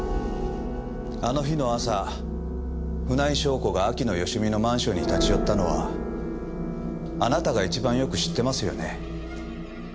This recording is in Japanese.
あの日の朝船井翔子が秋野芳美のマンションに立ち寄ったのはあなたが一番よく知ってますよね？